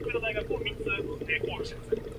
掃碼付款就可以喇